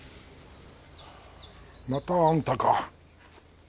またあんたか。